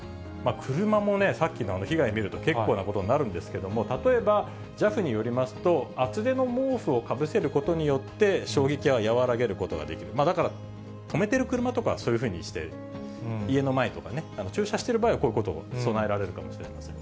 車もね、さっきの被害見ると、結構なことになるんですけれども、例えば、ＪＡＦによりますと、厚手の毛布をかぶせることによって、衝撃は和らげることができる、だから、止めている車とかはそういうふうにして、家の前とかね、駐車してる場合は、こういうことを備えられるかもしれません。